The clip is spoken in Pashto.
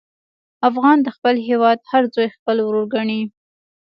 افغان د خپل هېواد هر زوی خپل ورور ګڼي.